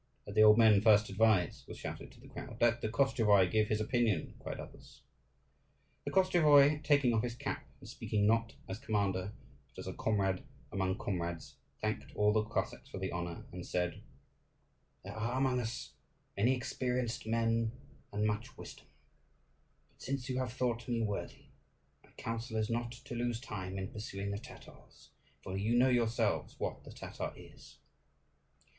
"Let the old men first advise," was shouted to the crowd. "Let the Koschevoi give his opinion," cried others. The Koschevoi, taking off his cap and speaking not as commander, but as a comrade among comrades, thanked all the Cossacks for the honour, and said, "There are among us many experienced men and much wisdom; but since you have thought me worthy, my counsel is not to lose time in pursuing the Tatars, for you know yourselves what the Tatar is.